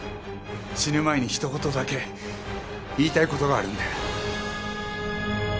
死ぬ前にひと言だけ言いたい事があるので。